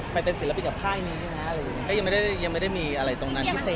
ไปเป็นศิลปินกับค่ายนี้นะอะไรอย่างนี้ก็ยังไม่ได้ยังไม่ได้มีอะไรตรงนั้นพิเศษ